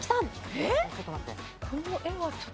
えっ？